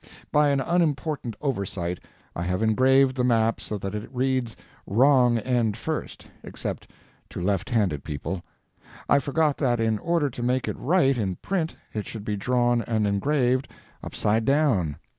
By an unimportant oversight I have engraved the map so that it reads wrong end first, except to left handed people. I forgot that in order to make it right in print it should be drawn and engraved upside down.